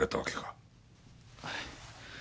はい。